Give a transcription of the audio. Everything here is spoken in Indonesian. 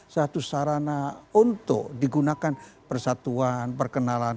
satu sarana untuk digunakan persatuan perkenalan